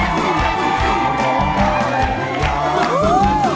กบร้องได้